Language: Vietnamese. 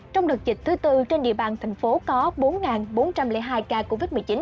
trong đợt dịch thứ bốn trên địa bàn tp có bốn bốn trăm linh hai ca covid một mươi chín